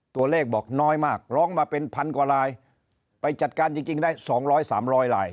ตัวเลขบอกน้อยมากร้องมาเป็นพันกว่าลายไปจัดการจริงได้๒๐๐๓๐๐ลาย